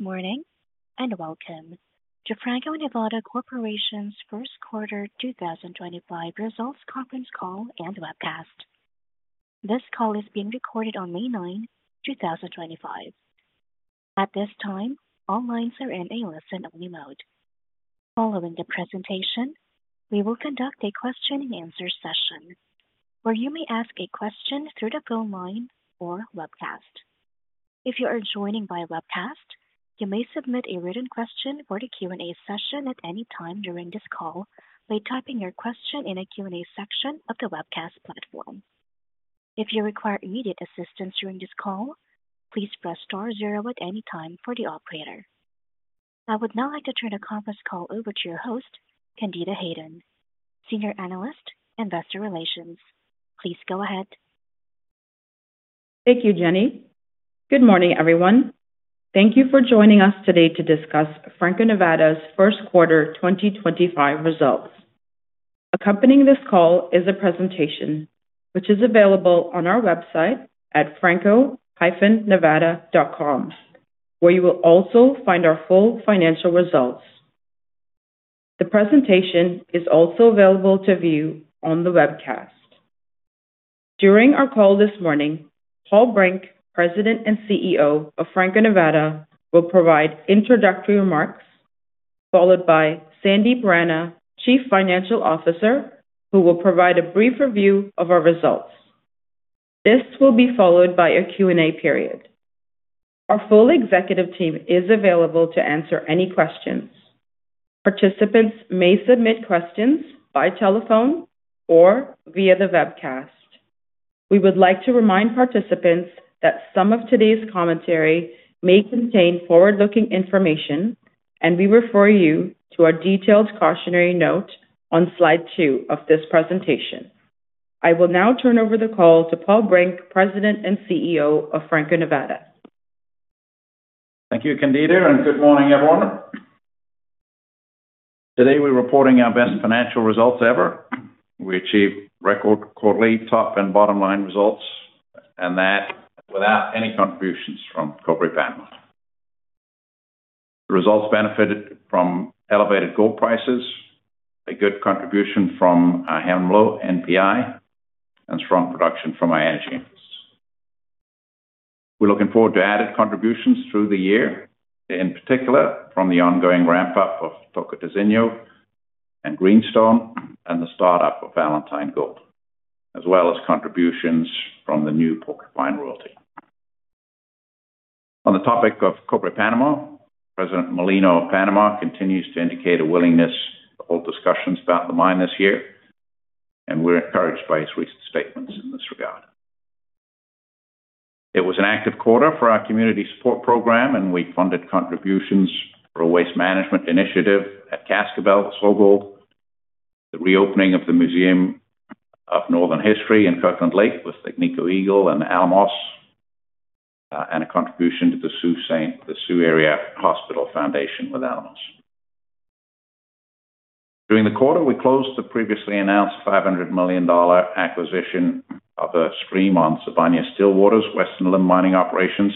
Morning and welcome to Franco-Nevada Corporation's First Quarter 2025 Results Conference Call and Webcast. This call is being recorded on May 9, 2025. At this time, all lines are in a listen-only mode. Following the presentation, we will conduct a question-and-answer session where you may ask a question through the phone line or webcast. If you are joining by webcast, you may submit a written question for the Q&A session at any time during this call by typing your question in the Q&A section of the webcast platform. If you require immediate assistance during this call, please press star zero at any time for the operator. I would now like to turn the conference call over to your host, Candida Hayden, Senior Analyst, Investor Relations. Please go ahead. Thank you, Jenny. Good morning, everyone. Thank you for joining us today to discuss Franco-Nevada's first quarter 2025 results. Accompanying this call is a presentation which is available on our website at franco-nevada.com, where you will also find our full financial results. The presentation is also available to view on the webcast. During our call this morning, Paul Brink, President and CEO of Franco-Nevada, will provide introductory remarks, followed by Sandip Rana, Chief Financial Officer, who will provide a brief review of our results. This will be followed by a Q&A period. Our full executive team is available to answer any questions. Participants may submit questions by telephone or via the webcast. We would like to remind participants that some of today's commentary may contain forward-looking information, and we refer you to our detailed cautionary note on slide two of this presentation. I will now turn over the call to Paul Brink, President and CEO of Franco-Nevada. Thank you, Candida, and good morning, everyone. Today, we're reporting our best financial results ever. We achieved record-quarterly top and bottom-line results, and that without any contributions from corporate backlog. The results benefited from elevated gold prices, a good contribution from our Hemlo NPI, and strong production from our energy. We're looking forward to added contributions through the year, in particular from the ongoing ramp-up of Tocantinzinho and Greenstone, and the start-up of Valentine Gold, as well as contributions from the new Porcupine Royalty. On the topic of Cobre Panama, President José Raúl Mulino of Panama continues to indicate a willingness to hold discussions about the mine this year, and we're encouraged by his recent statements in this regard. It was an active quarter for our community support program, and we funded contributions for a waste management initiative at Cascabel SolGold, the reopening of the Museum of Northern History in Kirkland Lake with Agnico Eagle and Alamos, and a contribution to the Sioux Area Hospital Foundation with Alamos. During the quarter, we closed the previously announced $500 million acquisition of a stream on Sibanye-Stillwater's Western Limb Mining Operations,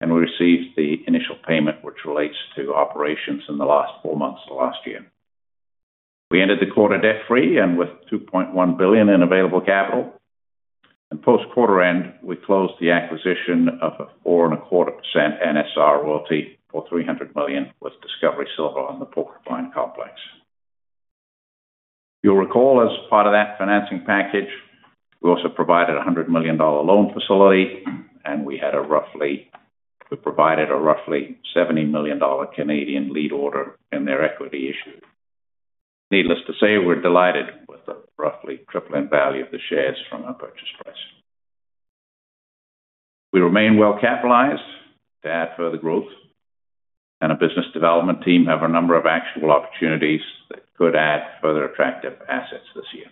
and we received the initial payment which relates to operations in the last four months of last year. We ended the quarter debt-free and with $2.1 billion in available capital. Post-quarter end, we closed the acquisition of a 4.25% NSR royalty for $300 million with Discovery Silver on the Porcupine Complex. You'll recall, as part of that financing package, we also provided a $100 million loan facility, and we provided a roughly 70 million Canadian dollars lead order in their equity issue. Needless to say, we're delighted with the roughly tripling value of the shares from our purchase price. We remain well-capitalized to add further growth, and our business development team have a number of actual opportunities that could add further attractive assets this year.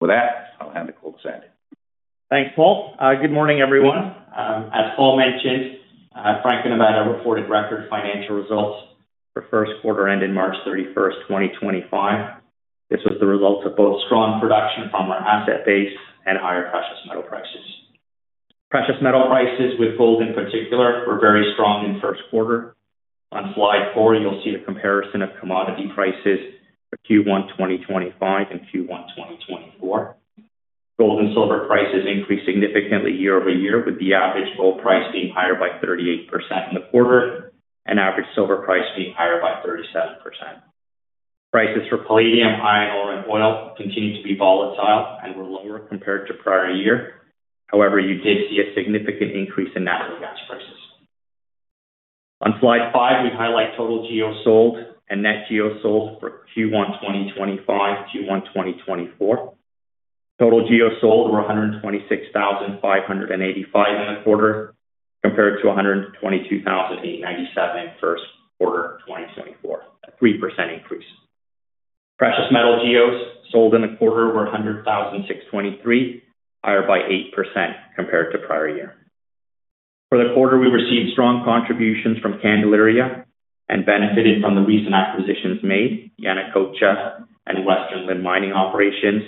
With that, I'll hand the call to Sandip. Thanks, Paul. Good morning, everyone. As Paul mentioned, Franco-Nevada reported record financial results for first quarter ended March 31, 2025. This was the result of both strong production from our asset base and higher precious metal prices. Precious metal prices, with gold in particular, were very strong in first quarter. On slide four, you'll see a comparison of commodity prices for Q1 2025 and Q1 2024. Gold and silver prices increased significantly year over year, with the average gold price being higher by 38% in the quarter and average silver price being higher by 37%. Prices for palladium, iron ore, and oil continued to be volatile and were lower compared to prior year. However, you did see a significant increase in natural gas prices. On slide five, we highlight total GEO sold and net GEO sold for Q1 2025, Q1 2024. Total GEO sold were $126,585 in the quarter compared to $122,897 in first quarter 2024, a 3% increase. Precious metal GEOs sold in the quarter were $100,623, higher by 8% compared to prior year. For the quarter, we received strong contributions from Candelaria and benefited from the recent acquisitions made: Yanacocha and Western Limb Mining Operations.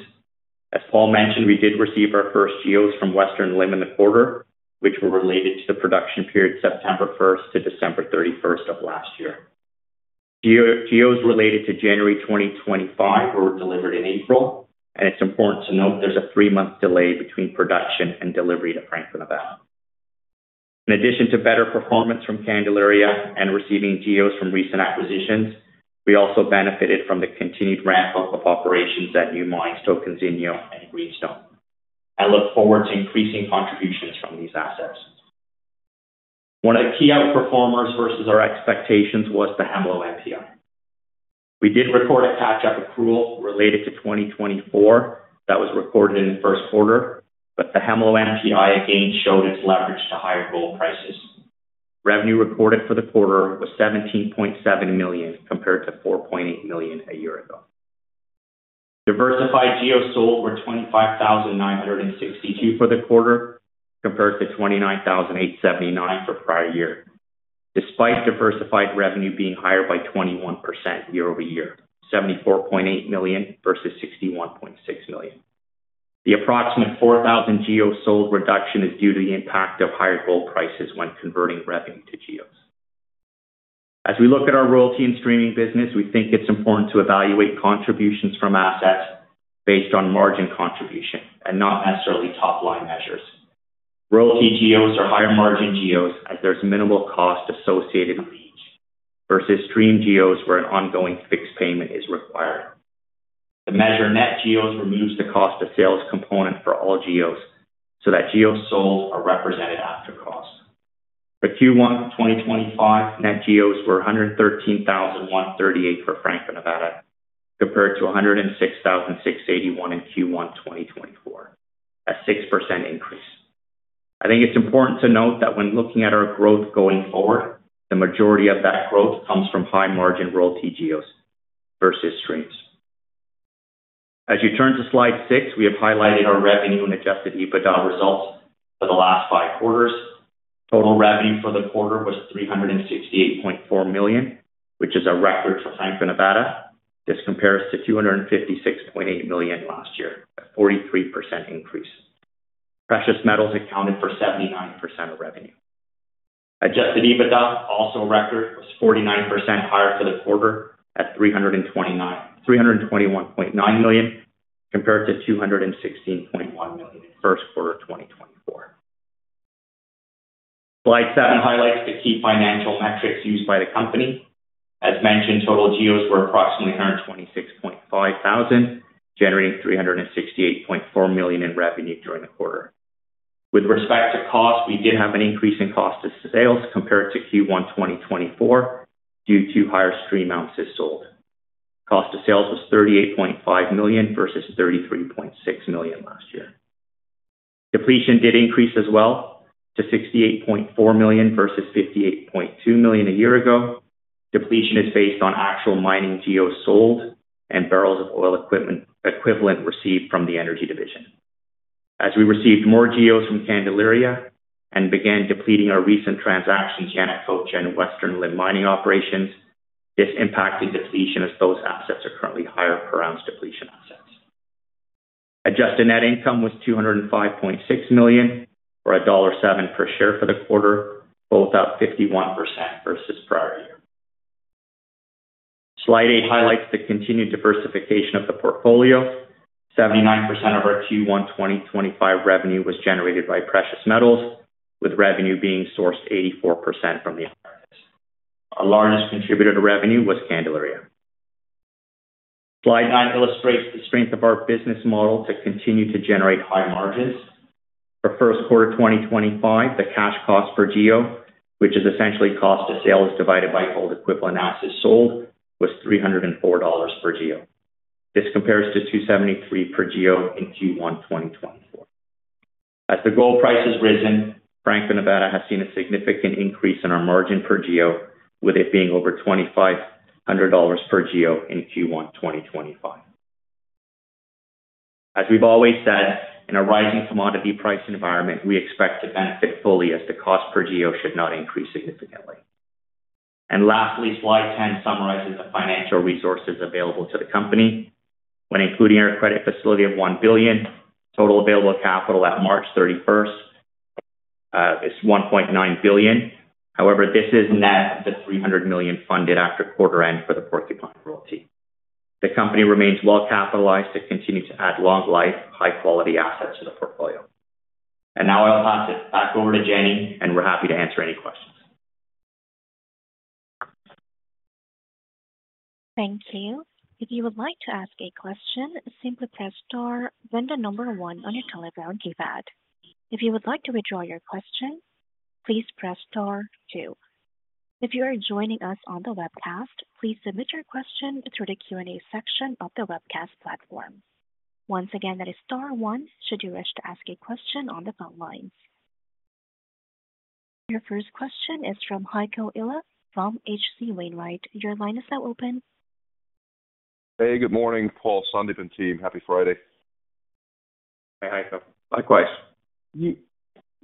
As Paul mentioned, we did receive our first GEOs from Western Limb in the quarter, which were related to the production period September 1 to December 31 of last year. GEOs related to January 2025 were delivered in April, and it's important to note there's a three-month delay between production and delivery to Franco-Nevada. In addition to better performance from Candelaria and receiving GEOs from recent acquisitions, we also benefited from the continued ramp-up of operations at new mines Tocantinzinho and Greenstone. I look forward to increasing contributions from these assets. One of the key outperformers versus our expectations was the HAMLO NPI. We did record a catch-up accrual related to 2024 that was recorded in the first quarter, but the HAMLO NPI again showed its leverage to higher gold prices. Revenue recorded for the quarter was $17.7 million compared to $4.8 million a year ago. Diversified GEO sold were 25,962 for the quarter compared to 29,879 for prior year, despite diversified revenue being higher by 21% year over year: $74.8 million versus $61.6 million. The approximate 4,000 GEO sold reduction is due to the impact of higher gold prices when converting revenue to GEOs. As we look at our royalty and streaming business, we think it's important to evaluate contributions from assets based on margin contribution and not necessarily top-line measures. Royalty GEOs are higher margin GEOs as there is minimal cost associated with each versus stream GEOs where an ongoing fixed payment is required. The measure net GEOs removes the cost of sales component for all GEOs so that GEOs sold are represented after cost. For Q1 2025, net GEOs were $113,138 for Franco-Nevada compared to $106,681 in Q1 2024, a 6% increase. I think it is important to note that when looking at our growth going forward, the majority of that growth comes from high-margin royalty GEOs versus streams. As you turn to slide six, we have highlighted our revenue and adjusted EBITDA results for the last five quarters. Total revenue for the quarter was $368.4 million, which is a record for Franco-Nevada. This compares to $256.8 million last year, a 43% increase. Precious metals accounted for 79% of revenue. Adjusted EBITDA, also a record, was 49% higher for the quarter at $321.9 million compared to $216.1 million in 1st quarter 2024. Slide seven highlights the key financial metrics used by the company. As mentioned, total GEOs were approximately 126,500, generating $368.4 million in revenue during the quarter. With respect to cost, we did have an increase in cost of sales compared to Q1 2024 due to higher stream ounces sold. Cost of sales was $38.5 million versus $33.6 million last year. Depletion did increase as well to $68.4 million versus $58.2 million a year ago. Depletion is based on actual mining GEOs sold and barrels of oil equivalent received from the energy division. As we received more GEOs from Candelaria and began depleting our recent transactions, Yanacocha and Western Limb Mining Operations, this impacted depletion as those assets are currently higher per ounce depletion assets. Adjusted net income was $205.6 million or $1.07 per share for the quarter, both up 51% versus prior year. Slide eight highlights the continued diversification of the portfolio. 79% of our Q1 2025 revenue was generated by precious metals, with revenue being sourced 84% from the markets. Our largest contributor to revenue was Candelaria. Slide nine illustrates the strength of our business model to continue to generate high margins. For 1st quarter 2025, the cash cost per GEO, which is essentially cost of sale divided by gold equivalent ounces sold, was $304 per GEO. This compares to $273 per GEO in Q1 2024. As the gold price has risen, Franco-Nevada has seen a significant increase in our margin per GEO, with it being over $2,500 per GEO in Q1 2025. As we've always said, in a rising commodity price environment, we expect to benefit fully as the cost per GEO should not increase significantly. Lastly, slide 10 summarizes the financial resources available to the company. When including our credit facility of $1 billion, total available capital at March 31 is $1.9 billion. However, this is net of the $300 million funded after quarter end for the Porcupine Royalty. The company remains well-capitalized to continue to add long-life, high-quality assets to the portfolio. Now I'll pass it back over to Jenny, and we're happy to answer any questions. Thank you. If you would like to ask a question, simply press star then the number one on your telephone keypad. If you would like to withdraw your question, please press star two. If you are joining us on the webcast, please submit your question through the Q&A section of the webcast platform. Once again, that is star one should you wish to ask a question on the phone lines. Your 1st question is from Heiko Ihle from HC Wainwright. Your line is now open. Hey, good morning, Paul, Sandip and team. Happy Friday. Hey, Heiko. Likewise.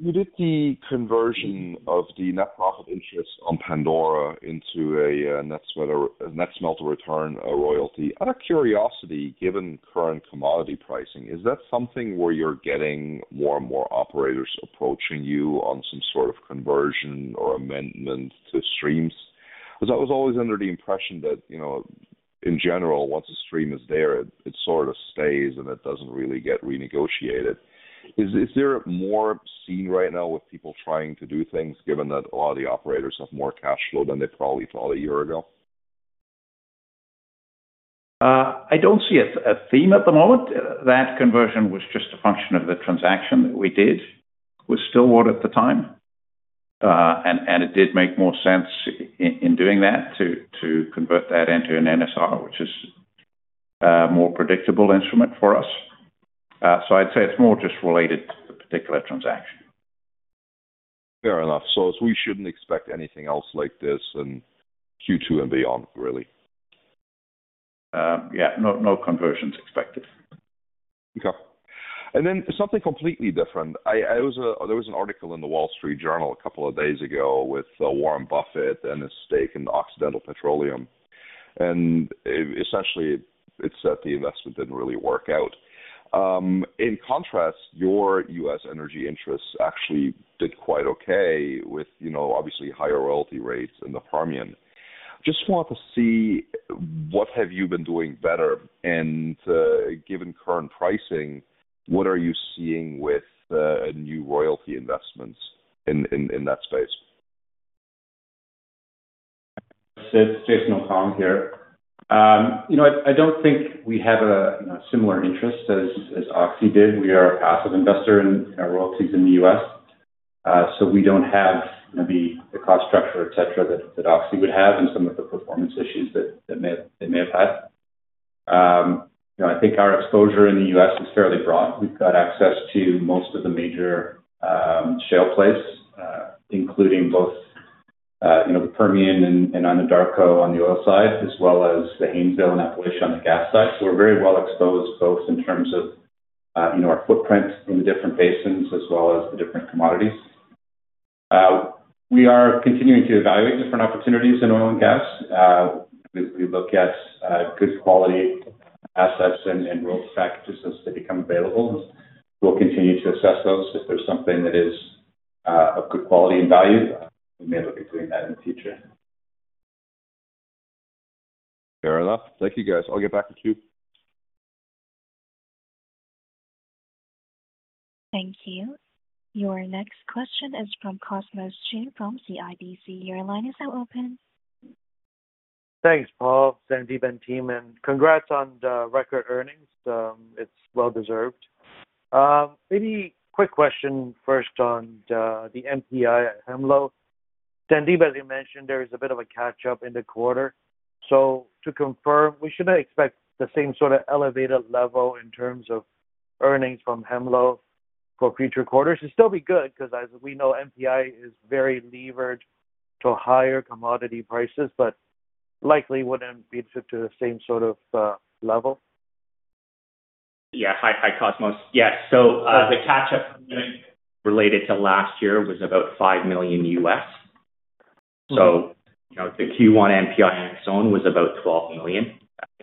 You did the conversion of the net profit interest on Pandora into a net smelter return royalty. Out of curiosity, given current commodity pricing, is that something where you're getting more and more operators approaching you on some sort of conversion or amendment to streams? Because I was always under the impression that, you know, in general, once a stream is there, it sort of stays and it does not really get renegotiated. Is there more seen right now with people trying to do things, given that a lot of the operators have more cash flow than they probably thought a year ago? I do not see a theme at the moment. That conversion was just a function of the transaction that we did. It was still ordered at the time, and it did make more sense in doing that to convert that into an NSR, which is a more predictable instrument for us. I would say it is more just related to the particular transaction. Fair enough. So we shouldn't expect anything else like this in Q2 and beyond, really? Yeah, no conversions expected. Okay. And then something completely different. There was an article in the Wall Street Journal a couple of days ago with Warren Buffett and his stake in Occidental Petroleum. Essentially, it said the investment did not really work out. In contrast, your U.S. energy interests actually did quite okay with, you know, obviously higher royalty rates and the Permian. Just want to see what have you been doing better? Given current pricing, what are you seeing with new royalty investments in that space? It's Jason O'Connell here. You know, I don't think we have a similar interest as Oxy did. We are a passive investor in royalties in the U.S. So we don't have the cost structure, et cetera, that Oxy would have and some of the performance issues that they may have had. You know, I think our exposure in the U.S. is fairly broad. We've got access to most of the major shale plays, including both the Permian and Anadarko on the oil side, as well as the Haynesville and Appalachia on the gas side. We are very well exposed both in terms of our footprint in the different basins as well as the different commodities. We are continuing to evaluate different opportunities in oil and gas. We look at good quality assets and royalty packages as they become available. We'll continue to assess those. If there's something that is of good quality and value, we may look at doing that in the future. Fair enough. Thank you, guys. I'll get back to you. Thank you. Your next question is from Cosmos Chiu from CIBC. Your line is now open. Thanks, Paul, Sandip and team. Congrats on the record earnings. It's well-deserved. Maybe quick question first on the MPI at HAMLO. Sandip, as you mentioned, there is a bit of a catch-up in the quarter. To confirm, we shouldn't expect the same sort of elevated level in terms of earnings from HAMLO for future quarters. It'd still be good because, as we know, MPI is very levered to higher commodity prices, but likely wouldn't be to the same sort of level. Yes, hi Cosmos. Yes. The catch-up earnings related to last year was about $5 million U.S. The Q1 MPI on its own was about $12 million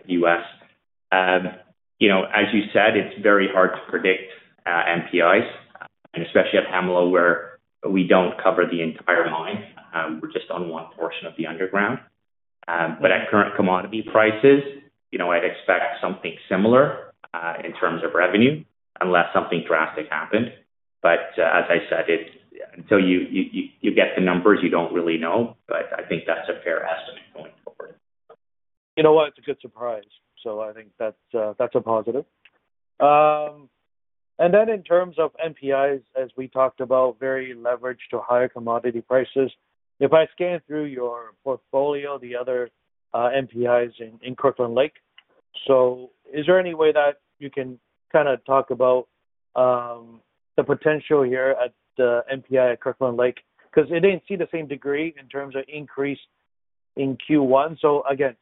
U.S. You know, as you said, it's very hard to predict MPIs, and especially at HAMLO where we do not cover the entire mine. We're just on one portion of the underground. At current commodity prices, you know, I'd expect something similar in terms of revenue unless something drastic happened. As I said, until you get the numbers, you do not really know. I think that's a fair estimate going forward. You know what? It's a good surprise. I think that's a positive. In terms of MPIs, as we talked about, very leveraged to higher commodity prices. If I scan through your portfolio, the other MPIs in Kirkland Lake. Is there any way that you can kind of talk about the potential here at the MPI at Kirkland Lake? It ain't seen the same degree in terms of increase in Q1.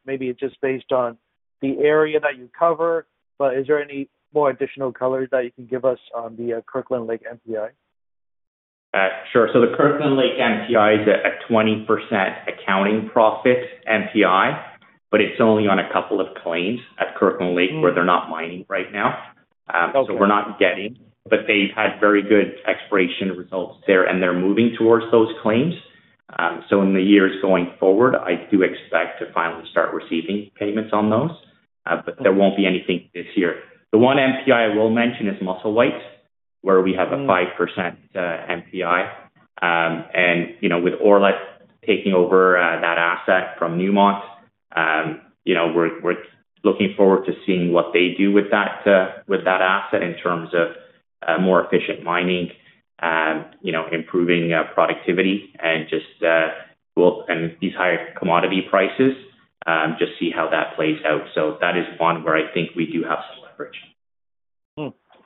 Maybe it's just based on the area that you cover. Is there any more additional colors that you can give us on the Kirkland Lake MPI? Sure. The Kirkland Lake MPI is a 20% accounting profit MPI, but it's only on a couple of claims at Kirkland Lake where they're not mining right now. We're not getting, but they've had very good exploration results there, and they're moving towards those claims. In the years going forward, I do expect to finally start receiving payments on those. There won't be anything this year. The one MPI I will mention is Musselwhite, where we have a 5% MPI. You know, with Orlett taking over that asset from Newmont, you know, we're looking forward to seeing what they do with that asset in terms of more efficient mining, improving productivity and just these higher commodity prices, just see how that plays out. That is one where I think we do have some leverage.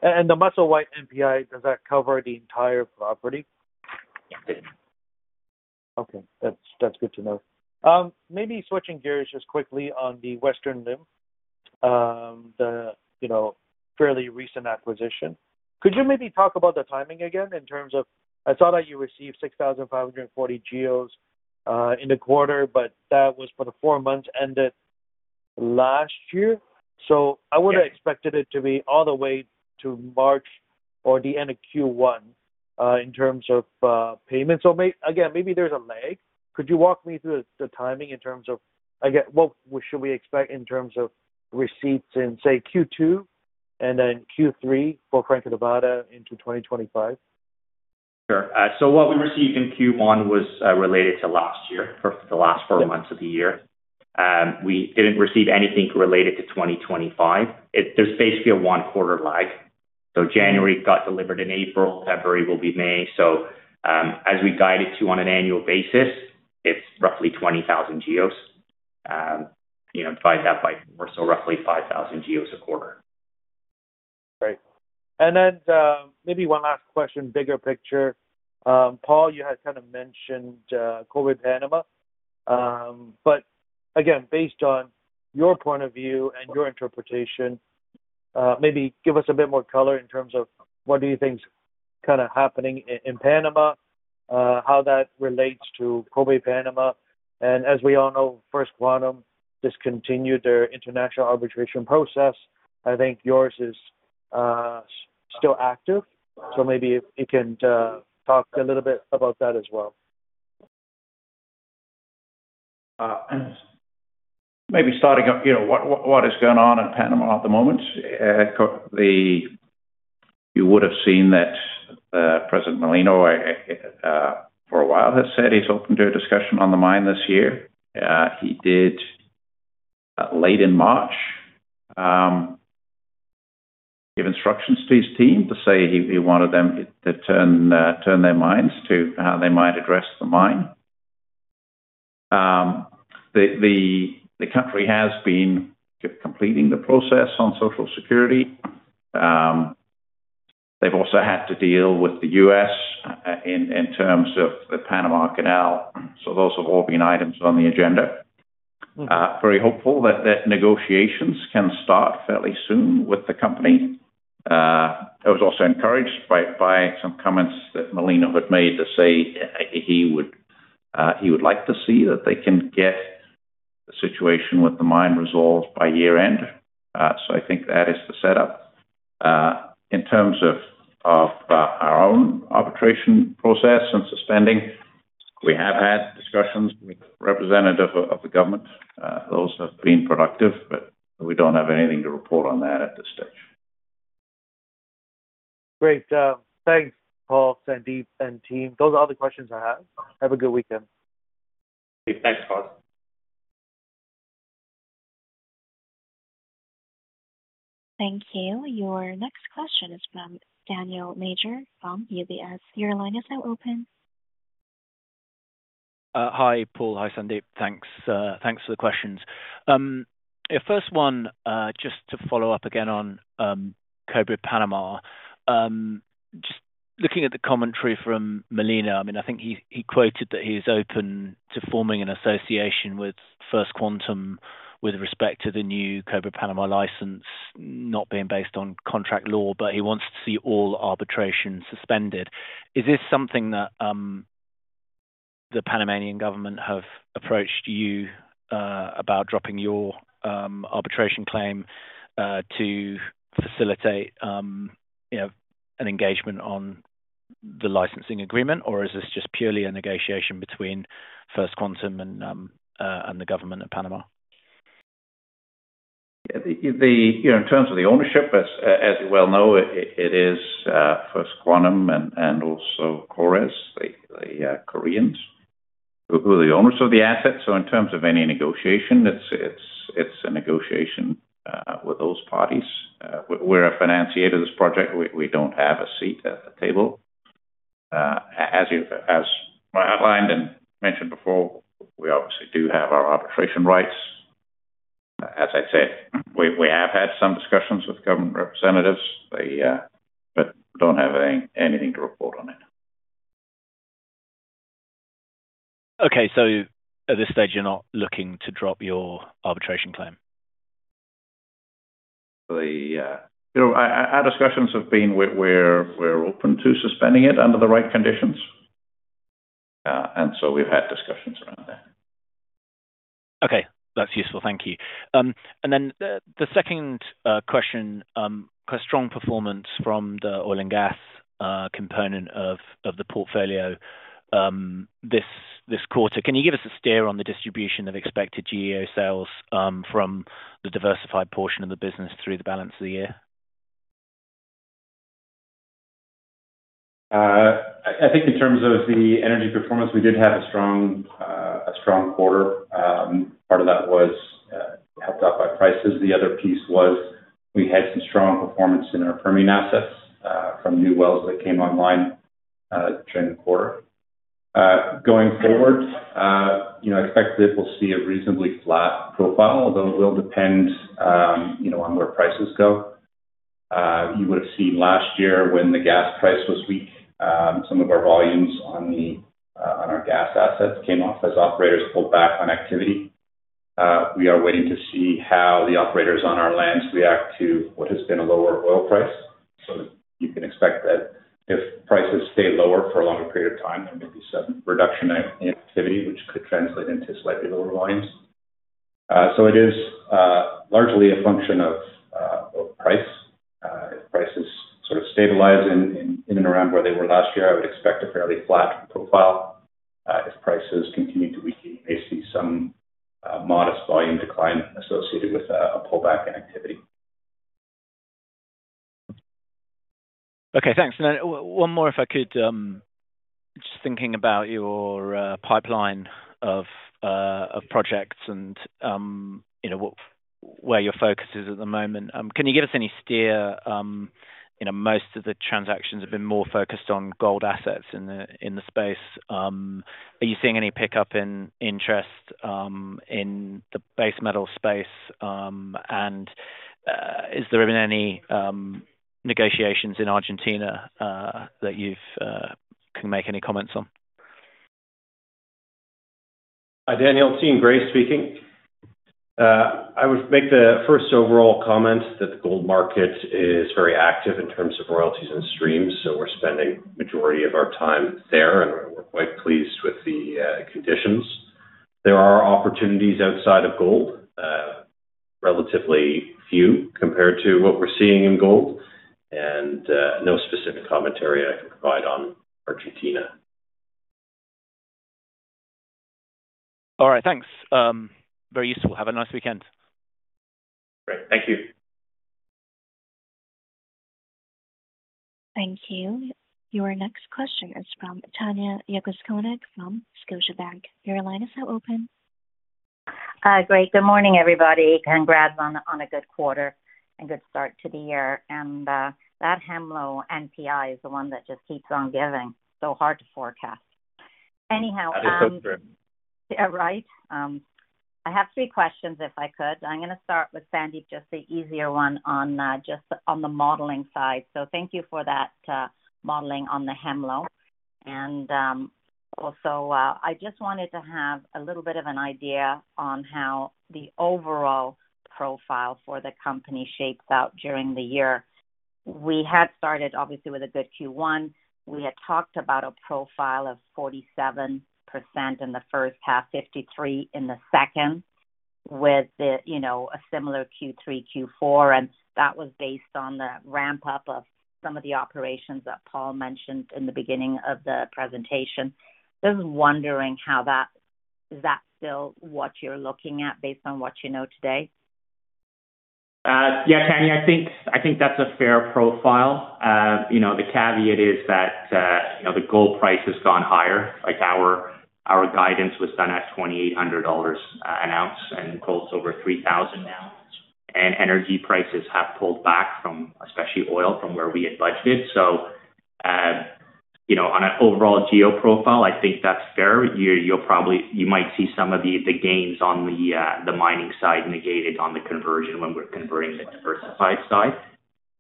Does the Musselwhite MPI cover the entire property? Yes, it did. Okay. That's good to know. Maybe switching gears just quickly on the Western Limb, the fairly recent acquisition. Could you maybe talk about the timing again in terms of I saw that you received 6,540 GEOs in the quarter, but that was for the four months ended last year. I would have expected it to be all the way to March or the end of Q1 in terms of payments. Maybe there's a lag. Could you walk me through the timing in terms of what should we expect in terms of receipts in, say, Q2 and then Q3 for Franco-Nevada into 2025? Sure. What we received in Q1 was related to last year for the last four months of the year. We did not receive anything related to 2025. There is basically a one-quarter lag. January got delivered in April. February will be May. As we guide it to on an annual basis, it is roughly 20,000 GEOs. You know, divide that by four, so roughly 5,000 GEOs a quarter. Great. Maybe one last question, bigger picture. Paul, you had kind of mentioned Cobre Panama. Based on your point of view and your interpretation, maybe give us a bit more color in terms of what you think is kind of happening in Panama, how that relates to Cobre Panama. As we all know, First Quantum discontinued their international arbitration process. I think yours is still active. Maybe you can talk a little bit about that as well. Maybe starting up, you know, what is going on in Panama at the moment? You would have seen that President Mulino for a while has said he's open to a discussion on the mine this year. He did late in March give instructions to his team to say he wanted them to turn their minds to how they might address the mine. The country has been completing the process on social security. They've also had to deal with the U.S. in terms of the Panama Canal. Those have all been items on the agenda. Very hopeful that negotiations can start fairly soon with the company. I was also encouraged by some comments that Mulino had made to say he would like to see that they can get the situation with the mine resolved by year-end. I think that is the setup. In terms of our own arbitration process and suspending, we have had discussions with the representative of the government. Those have been productive, but we do not have anything to report on that at this stage. Great. Thanks, Paul, Sandip, and team. Those are all the questions I have. Have a good weekend. Thanks, Paul. Thank you. Your next question is from Daniel Major from UBS. Your line is now open. Hi, Paul. Hi, Sandip. Thanks for the questions. First one, just to follow up again on Cobre Panama, just looking at the commentary from Mulino, I mean, I think he quoted that he's open to forming an association with First Quantum with respect to the new Cobre Panama license not being based on contract law, but he wants to see all arbitration suspended. Is this something that the Panamanian government have approached you about dropping your arbitration claim to facilitate an engagement on the licensing agreement, or is this just purely a negotiation between First Quantum and the government of Panama? You know, in terms of the ownership, as you well know, it is First Quantum and also Kores, the Koreans, who are the owners of the asset. In terms of any negotiation, it's a negotiation with those parties. We're a financier to this project. We don't have a seat at the table. As I outlined and mentioned before, we obviously do have our arbitration rights. As I said, we have had some discussions with government representatives, but don't have anything to report on it. Okay. So at this stage, you're not looking to drop your arbitration claim? You know, our discussions have been we're open to suspending it under the right conditions. We've had discussions around that. Okay. That's useful. Thank you. The second question, strong performance from the oil and gas component of the portfolio this quarter. Can you give us a steer on the distribution of expected GEO sales from the diversified portion of the business through the balance of the year? I think in terms of the energy performance, we did have a strong quarter. Part of that was helped out by prices. The other piece was we had some strong performance in our Permian assets from new wells that came online during the quarter. Going forward, you know, I expect that we'll see a reasonably flat profile, although it will depend on where prices go. You would have seen last year when the gas price was weak, some of our volumes on our gas assets came off as operators pulled back on activity. We are waiting to see how the operators on our lands react to what has been a lower oil price. You can expect that if prices stay lower for a longer period of time, there may be some reduction in activity, which could translate into slightly lower volumes. It is largely a function of price. If prices sort of stabilize in and around where they were last year, I would expect a fairly flat profile. If prices continue to weaken, you may see some modest volume decline associated with a pullback in activity. Okay. Thanks. One more, if I could, just thinking about your pipeline of projects and where your focus is at the moment. Can you give us any steer? You know, most of the transactions have been more focused on gold assets in the space. Are you seeing any pickup in interest in the base metal space? Has there been any negotiations in Argentina that you can make any comments on? Hi, Daniel. Team, Gray speaking. I would make the first overall comment that the gold market is very active in terms of royalties and streams. So we're spending the majority of our time there, and we're quite pleased with the conditions. There are opportunities outside of gold, relatively few compared to what we're seeing in gold. And no specific commentary I can provide on Argentina. All right. Thanks. Very useful. Have a nice weekend. Great. Thank you. Thank you. Your next question is from Tanya Jakusconek from Scotiabank. Your line is now open. Great. Good morning, everybody. Congrats on a good quarter and good start to the year. That Hemlo NPI is the one that just keeps on giving. So hard to forecast. Anyhow. That is so true. Right? I have three questions, if I could. I'm going to start with Sandip, just the easier one on just on the modeling side. Thank you for that modeling on the HAMLO. I just wanted to have a little bit of an idea on how the overall profile for the company shapes out during the year. We had started, obviously, with a good Q1. We had talked about a profile of 47% in the 1st half, 53% in the second, with, you know, a similar Q3, Q4. That was based on the ramp-up of some of the operations that Paul mentioned in the beginning of the presentation. Just wondering is that still what you're looking at based on what you know today? Yeah, Tanya, I think that's a fair profile. You know, the caveat is that, you know, the gold price has gone higher. Like our guidance was done at $2,800 an ounce and gold's over $3,000 now. And energy prices have pulled back from, especially oil, from where we had budgeted. You know, on an overall GEO profile, I think that's fair. You'll probably, you might see some of the gains on the mining side negated on the conversion when we're converting the diversified side.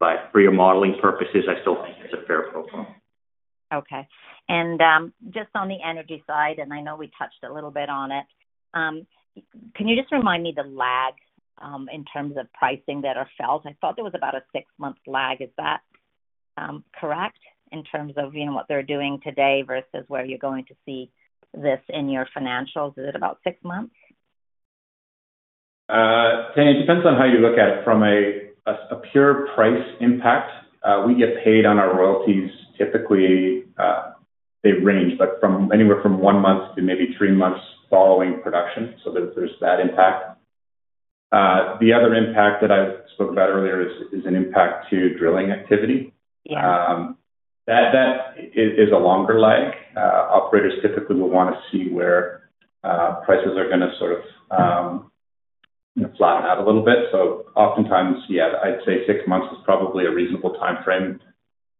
But for your modeling purposes, I still think it's a fair profile. Okay. Just on the energy side, and I know we touched a little bit on it, can you just remind me the lag in terms of pricing that are felt? I thought there was about a six-month lag. Is that correct in terms of, you know, what they're doing today versus where you're going to see this in your financials? Is it about six months? Tanya, it depends on how you look at it from a pure price impact. We get paid on our royalties. Typically, they range, but from anywhere from one month to maybe three months following production. There is that impact. The other impact that I spoke about earlier is an impact to drilling activity. Yeah. That is a longer lag. Operators typically will want to see where prices are going to sort of flatten out a little bit. Oftentimes, yeah, I'd say six months is probably a reasonable time frame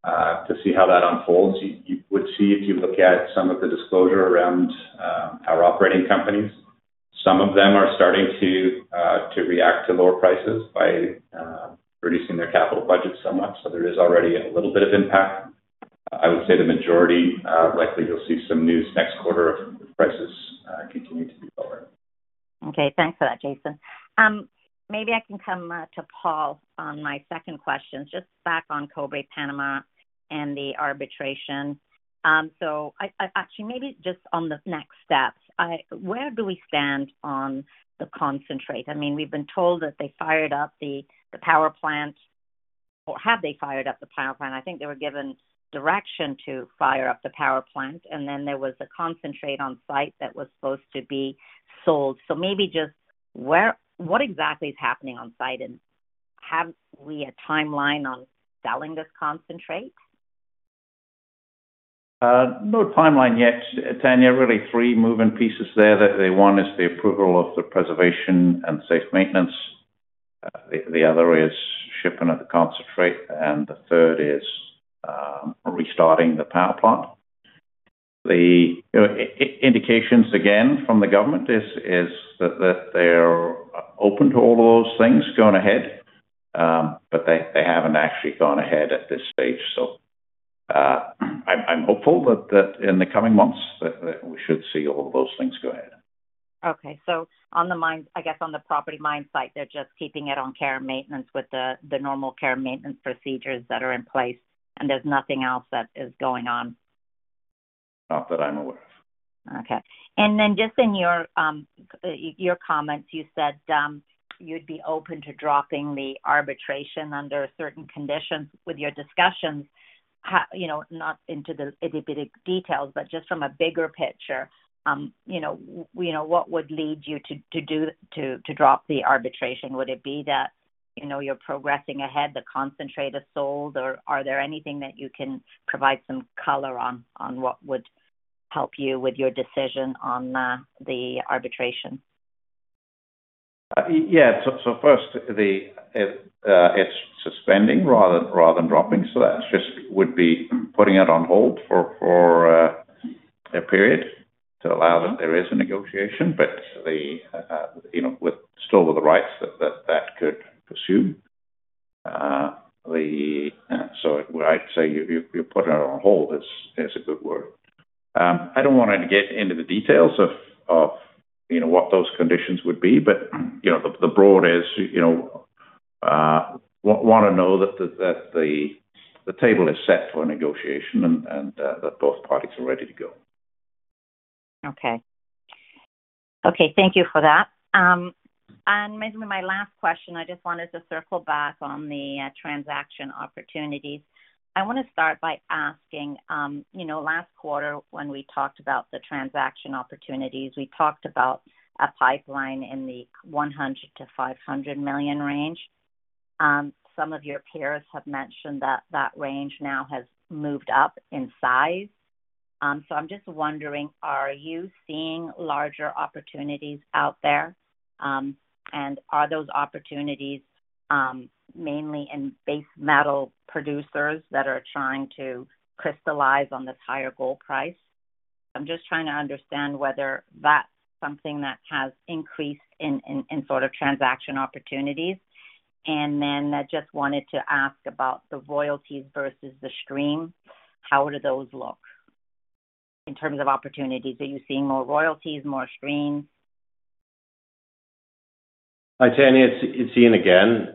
to see how that unfolds. You would see if you look at some of the disclosure around our operating companies. Some of them are starting to react to lower prices by reducing their capital budgets somewhat. There is already a little bit of impact. I would say the majority, likely you'll see some news next quarter of prices continuing to be lower. Okay. Thanks for that, Jason. Maybe I can come to Paul on my second question, just back on Cobre Panama and the arbitration. Actually, maybe just on the next steps, where do we stand on the concentrate? I mean, we've been told that they fired up the power plant, or have they fired up the power plant? I think they were given direction to fire up the power plant. There was a concentrate on site that was supposed to be sold. Maybe just what exactly is happening on site? Have we a timeline on selling this concentrate? No timeline yet, Tanya. Really, three moving pieces there that they want is the approval of the preservation and safe maintenance. The other is shipping of the concentrate. The third is restarting the power plant. The indications, again, from the government is that they are open to all of those things, going ahead. They have not actually gone ahead at this stage. I am hopeful that in the coming months that we should see all of those things go ahead. Okay. On the mines, I guess on the property mine site, they're just keeping it on care and maintenance with the normal care and maintenance procedures that are in place. There's nothing else that is going on? Not that I'm aware of. Okay. In your comments, you said you'd be open to dropping the arbitration under certain conditions with your discussions, you know, not into the itty-bitty details, but just from a bigger picture. You know, what would lead you to drop the arbitration? Would it be that, you know, you're progressing ahead, the concentrate is sold, or is there anything that you can provide some color on what would help you with your decision on the arbitration? Yeah. First, it's suspending rather than dropping. That just would be putting it on hold for a period to allow that there is a negotiation. You know, still with the rights that that could pursue. I'd say putting it on hold is a good word. I don't want to get into the details of, you know, what those conditions would be. You know, the broad is, you know, want to know that the table is set for a negotiation and that both parties are ready to go. Okay. Okay. Thank you for that. Maybe my last question, I just wanted to circle back on the transaction opportunities. I want to start by asking, you know, last quarter when we talked about the transaction opportunities, we talked about a pipeline in the $100 million-$500 million range. Some of your peers have mentioned that that range now has moved up in size. I'm just wondering, are you seeing larger opportunities out there? Are those opportunities mainly in base metal producers that are trying to crystallize on this higher gold price? I'm just trying to understand whether that's something that has increased in sort of transaction opportunities. I just wanted to ask about the royalties versus the stream. How do those look in terms of opportunities? Are you seeing more royalties, more streams? Hi, Tanya. It's Ian again.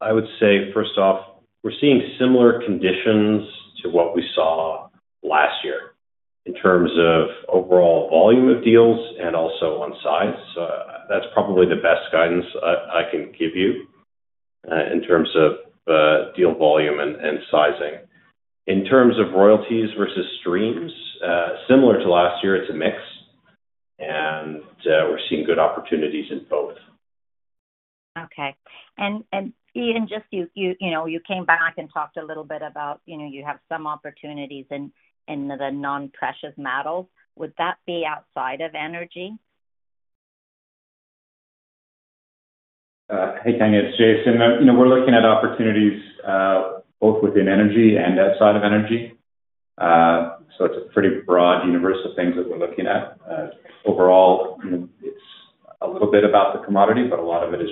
I would say, first off, we're seeing similar conditions to what we saw last year in terms of overall volume of deals and also on size. That's probably the best guidance I can give you in terms of deal volume and sizing. In terms of royalties versus streams, similar to last year, it's a mix. We're seeing good opportunities in both. Okay. Ian, just you, you know, you came back and talked a little bit about, you know, you have some opportunities in the non-precious metals. Would that be outside of energy? Hey, Tanya. It's Jason. You know, we're looking at opportunities both within energy and outside of energy. So it's a pretty broad universe of things that we're looking at. Overall, you know, it's a little bit about the commodity, but a lot of it is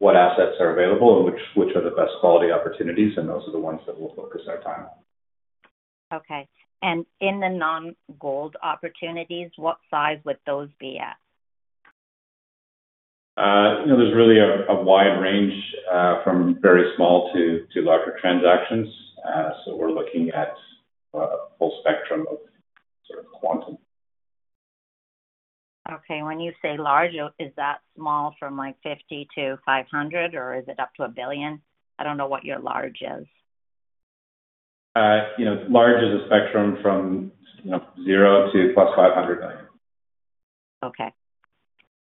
just what assets are available and which are the best quality opportunities. And those are the ones that we'll focus our time on. Okay. In the non-gold opportunities, what size would those be at? You know, there's really a wide range from very small to larger transactions. So we're looking at a full spectrum of sort of quantum. Okay. When you say large, is that small from like 50 to 500, or is it up to a billion? I don't know what your large is. You know, large is a spectrum from, you know, zero to plus $500 million. Okay.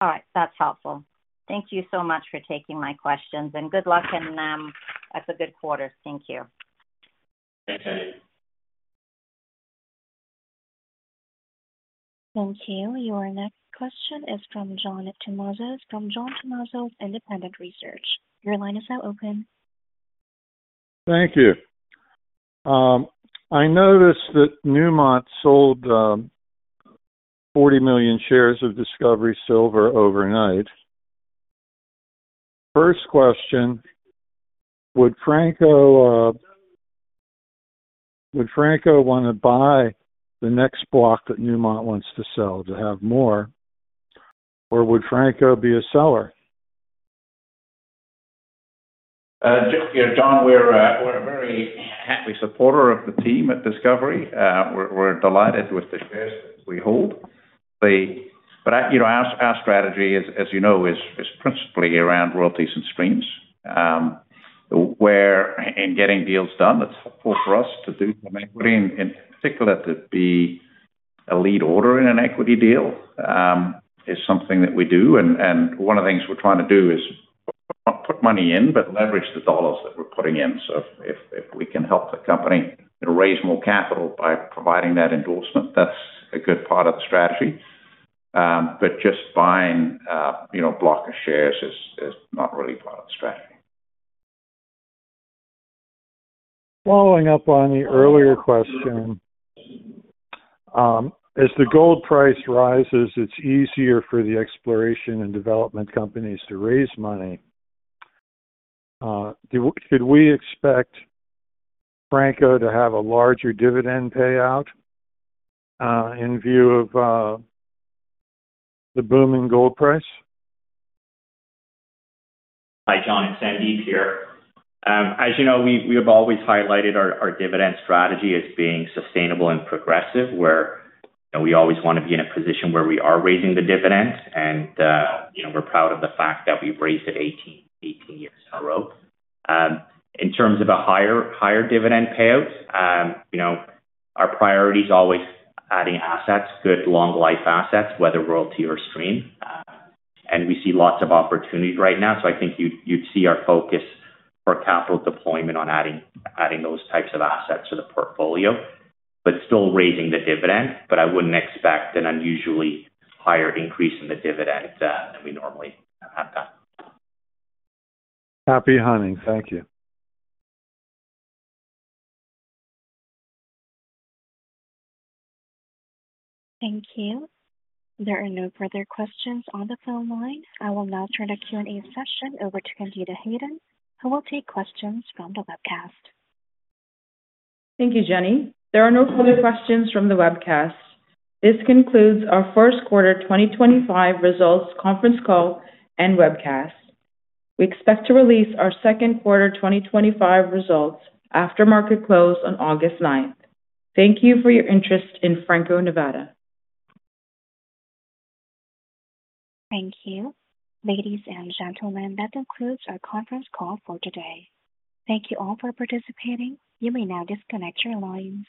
All right. That's helpful. Thank you so much for taking my questions. Good luck in the next quarter. Thank you. Thanks, Tanya. Thank you. Your next question is from John Tumazos. From John Tumazos, Independent Research. Your line is now open. Thank you. I noticed that Newmont sold 40 million shares of Discovery Silver overnight. First question, would Franco want to buy the next block that Newmont wants to sell to have more, or would Franco be a seller? You know, John, we're a very happy supporter of the team at Discovery. We're delighted with the shares that we hold. You know, our strategy, as you know, is principally around royalties and streams. Where in getting deals done, it's helpful for us to do some equity, in particular. That it be a lead order in an equity deal is something that we do. One of the things we're trying to do is put money in, but leverage the dollars that we're putting in. If we can help the company raise more capital by providing that endorsement, that's a good part of the strategy. Just buying, you know, a block of shares is not really part of the strategy. Following up on the earlier question, as the gold price rises, it's easier for the exploration and development companies to raise money. Should we expect Franco-Nevada to have a larger dividend payout in view of the booming gold price? Hi, John. It's Sandip here. As you know, we have always highlighted our dividend strategy as being sustainable and progressive, where we always want to be in a position where we are raising the dividend. You know, we're proud of the fact that we've raised it 18 years in a row. In terms of a higher dividend payout, you know, our priority is always adding assets, good long-life assets, whether royalty or stream. We see lots of opportunity right now. I think you'd see our focus for capital deployment on adding those types of assets to the portfolio, but still raising the dividend. I wouldn't expect an unusually higher increase in the dividend than we normally have had. Happy hunting. Thank you. Thank you. There are no further questions on the phone line. I will now turn the Q&A session over to Candida Hayden, who will take questions from the webcast. Thank you, Jenny. There are no further questions from the webcast. This concludes our first quarter 2025 results conference call and webcast. We expect to release our second quarter 2025 results after market close on August 9. Thank you for your interest in Franco-Nevada. Thank you. Ladies and gentlemen, that concludes our conference call for today. Thank you all for participating. You may now disconnect your lines.